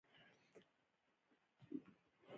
څېړونکي له نوي عامل سره مخ دي.